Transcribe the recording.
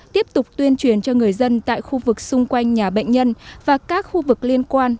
tiếp tục tuyên truyền cho người dân tại khu vực xung quanh nhà bệnh nhân và các khu vực liên quan